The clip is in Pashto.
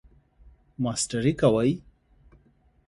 ماسټری کوئ؟